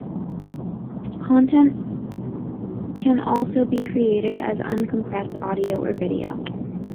Content can also be created as uncompressed audio or video.